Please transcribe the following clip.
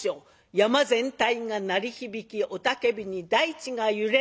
山全体が鳴り響き雄たけびに大地が揺れる。